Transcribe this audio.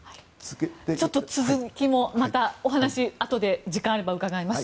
続きもまたお話あとで時間があれば伺います。